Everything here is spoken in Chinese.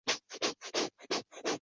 他是认知心理学的先驱者之一。